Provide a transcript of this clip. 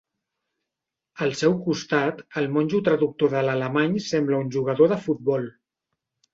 Al seu costat, el monjo traductor de l'alemany sembla un jugador de futbol.